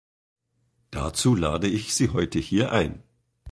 Dazu lade ich Sie heute hier ein.